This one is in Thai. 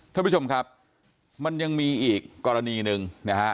ท่านผู้ชมครับมันยังมีอีกกรณีหนึ่งนะฮะ